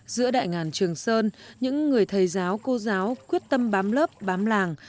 giữa đại ngàn trường sơn những người thầy giáo cô giáo quyết tâm bám lớp bám làng